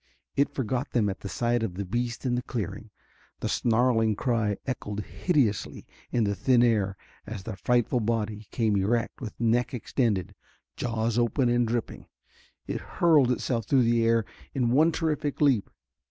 It forgot them at the sight of the beast in the clearing. The snarling cry echoed hideously in the thin air as the frightful body came erect with neck extended, jaws open and dripping. It hurled itself through the air in one terrific leap.